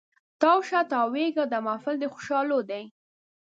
تاو شه تاویږه دا محفل د خوشحالو دی